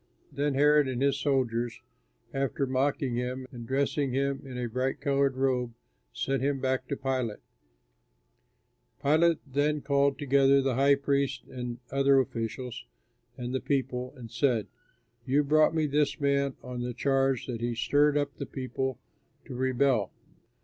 Then Herod, and his soldiers, after mocking him, and dressing him in a bright colored robe, sent him back to Pilate. Pilate then called together the high priests and other officials and the people, and said, "You brought me this man on the charge that he stirred up the people to rebel.